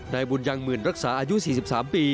ในบุญยังมืนรักษาอายุ๔๓ปี